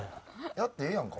やってええやんか。